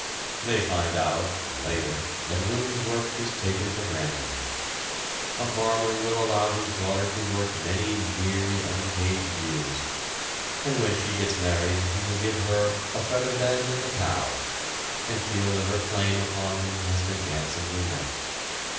They find out, later, that women's work is taken for granted. A farmer will allow his daughter to work many weary unpaid years, and when she gets married he will give her "a feather bed and a cow," and feel that her claim upon him has been handsomely met.